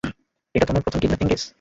এটা তোমার প্রথম কিডন্যাপিং কেস?